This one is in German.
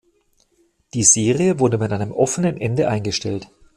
Die Serie wurde mit einem offenen Ende eingestellt.